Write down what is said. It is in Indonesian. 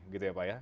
gitu ya pak ya